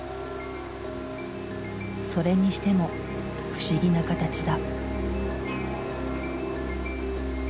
それにしても不思議な形だ。